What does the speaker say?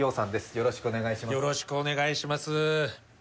よろしくお願いします